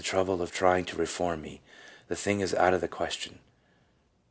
209 trouble of trying to reform me : the thing is out of the question."